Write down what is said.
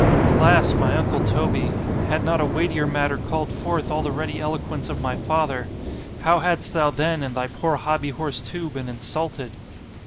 Alas! my uncle Toby! had not a weightier matter called forth all the ready eloquence of my father—how hadst thou then and thy poor HOBBY HORSE too been insulted!